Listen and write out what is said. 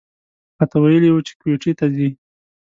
راته ویلي و چې کویټې ته ځي.